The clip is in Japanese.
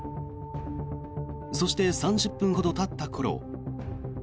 そして、３０分ほどたった頃。